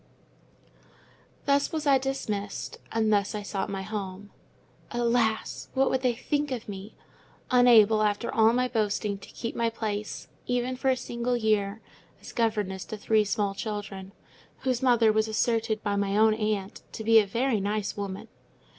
Thus was I dismissed, and thus I sought my home. Alas! what would they think of me? unable, after all my boasting, to keep my place, even for a single year, as governess to three small children, whose mother was asserted by my own aunt to be a "very nice woman."